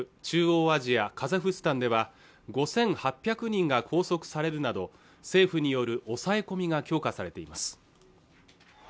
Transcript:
中央アジアカザフスタンでは５８００人が拘束されるなど政府による抑え込みが強化されています